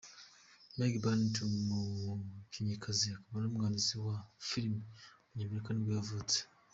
Megg Bennett, umukinnyikazi akaba n’umwanditsikazi wa film w’umunyamerika nibwo yavutse.